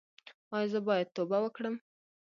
ایا زه باید توبه وکړم؟